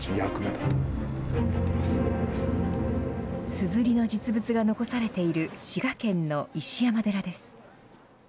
すずりの実物が残されている滋賀県の石山寺です。